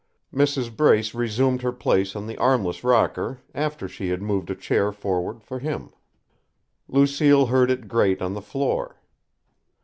Mrs. Brace resumed her place on the armless rocker after she had moved a chair forward for him. Lucille heard it grate on the floor.